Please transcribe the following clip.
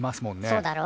そうだろ？